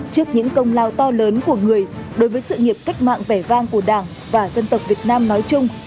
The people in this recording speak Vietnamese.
trước những công lao to lớn của người đối với sự nghiệp cách mạng vẻ vang của đảng và dân tộc việt nam nói chung